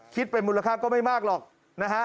คิดเป็นมูลค่าก็ไม่มากหรอกนะฮะ